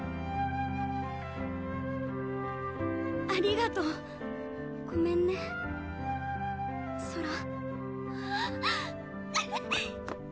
ありがとうごめんねソラ